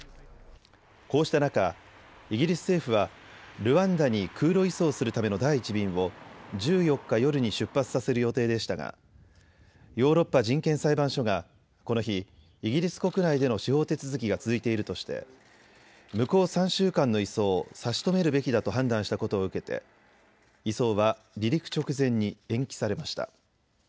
こうした中、イギリス政府はルワンダに空路移送するための第１便を１４日夜に出発させる予定でしたがヨーロッパ人権裁判所がこの日、イギリス国内での司法手続きが続いているとして、向こう３週間の移送を差し止めるべきだと判断したことを受けて移送は離陸直前に延期されました。